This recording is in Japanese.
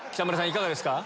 いかがですか？